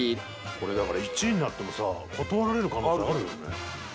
これ、だから１位になってもさ断られる可能性あるよね。